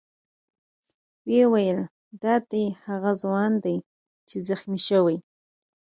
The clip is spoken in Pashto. ویې ویل: دا دی هغه ځوان دی چې زخمي شوی.